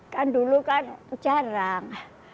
kan dulu kan jarang